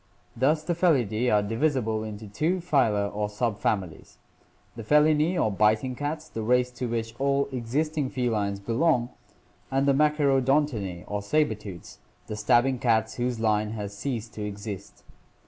Thus the Felidae are divisible into two phyla or subfamilies, the Felinae or biting cats, the race to which all existing felines belong, and the Machaerodon tinae or saber tooths, the stabbing cats whose line has ceased to exist.